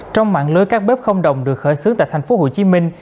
trong mạng lưới các bếp không đồng được khởi xướng tại thành phố hồ chí minh